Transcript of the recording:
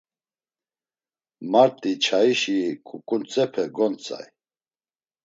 Mart̆i çayişi ǩuǩuntsepe gontzay.